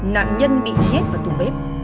nạn nhân bị ghét vào tùm bếp